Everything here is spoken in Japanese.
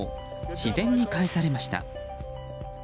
自然に返されました。